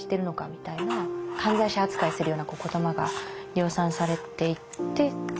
みたいな犯罪者扱いするような言葉が量産されていって。